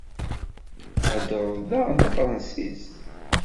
Theddreḍ daɣen tafransist?